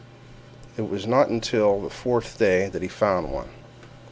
It was not until the fourth day that he found one.